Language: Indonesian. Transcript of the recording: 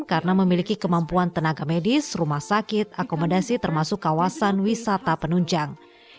karena memiliki kemampuan tenaga medis rumah sakit akomodasi termasuk kawasan wisata penunjang